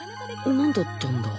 なんだったんだ？